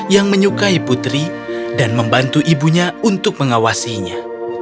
yang menyukai putri dan membantu ibunya untuk mengawasinya